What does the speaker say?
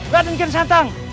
raden kian santan